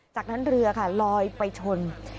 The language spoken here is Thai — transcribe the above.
จากนั้นเรือค่ะลอยไปชน